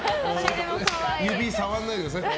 指、触らないでください。